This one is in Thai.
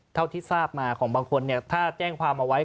เท่าที่ทราบมาของบางคนถ้าแจ้งความเอาไว้